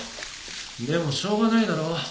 でもしょうがないだろう。